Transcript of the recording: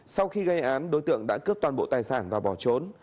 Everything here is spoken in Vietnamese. sau khi gây án đối tượng đã cướp toàn bộ tài sản và bỏ trốn